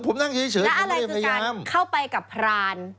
ผมนั่งเฉยผมไม่ได้พยายามแล้วอะไรจนการเข้าไปกับพราน